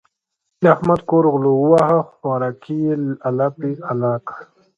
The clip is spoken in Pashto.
د احمد کور غلو وواهه؛ خوراکی يې الپی الا کړ.